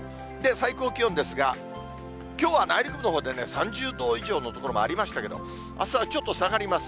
最高気温ですが、きょうは内陸のほうで３０度以上の所もありましたけれども、あすはちょっと下がります。